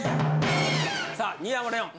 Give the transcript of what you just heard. さあ新浜レオン。